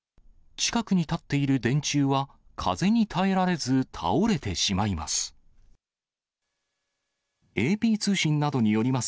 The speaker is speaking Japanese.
近くに建っている電柱は、風に耐えられず、倒れてしまいます。